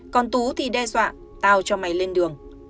còn tú thì đe dọa tao cho mày lên đường